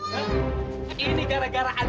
pertama kali aku ngeliat